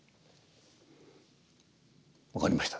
「分かりました」。